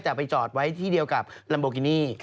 แต่ไปจอดไว้ที่เดียวกับลัมโบกินี่